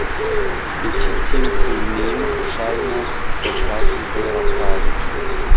De ĉi tiu kulmino ŝajnas okazi vera falo.